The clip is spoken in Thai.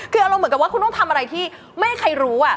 คืออารมณ์เหมือนกับว่าคุณต้องทำอะไรที่ไม่ให้ใครรู้